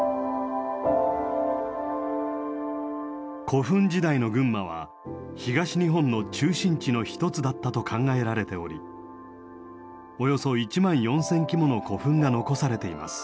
古墳時代の群馬は東日本の中心地の一つだったと考えられておりおよそ１万４，０００基もの古墳が残されています。